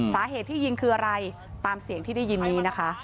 สาเหตุที่ยิงคืออะไรตามเสียงที่ได้ยินนี้นะคะ